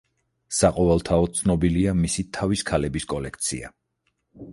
საყოველთაოდ ცნობილია მისი თავის ქალების კოლექცია.